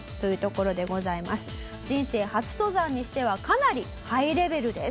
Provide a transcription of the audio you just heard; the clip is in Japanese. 人生初登山にしてはかなりハイレベルです。